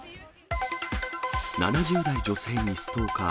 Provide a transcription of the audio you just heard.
７０代女性にストーカー。